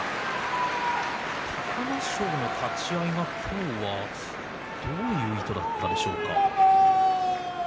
隆の勝の立ち合いが今日はどういう意図だったでしょうか。